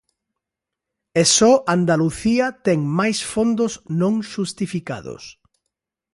E só Andalucía ten máis fondos non xustificados.